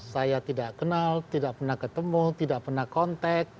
saya tidak kenal tidak pernah ketemu tidak pernah kontak